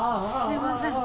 すいません。